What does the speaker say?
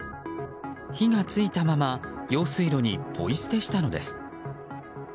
火が付いたまま用水路にポイ捨てしたのです。